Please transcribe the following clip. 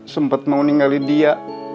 sempat mau ninggalin dia